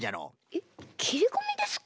えっきりこみですか？